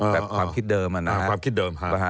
แบบความคิดเดิมนะครับ